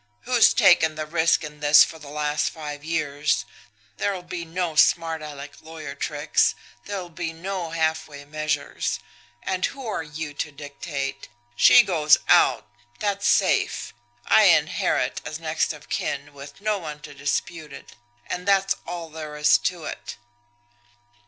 'Who's taken the risk in this for the last five years! There'll be no smart Aleck lawyer tricks there'll be no halfway measures! And who are you to dictate! She goes out that's safe I inherit as next of kin, with no one to dispute it, and that's all there is to it!'